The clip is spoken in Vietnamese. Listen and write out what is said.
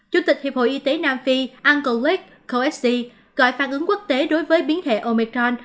chủ tịch hiệp hội y tế nam phi antorech coesse gọi phản ứng quốc tế đối với biến thể omicron